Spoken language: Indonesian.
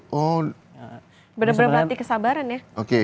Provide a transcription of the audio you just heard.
bener bener berarti kesabaran ya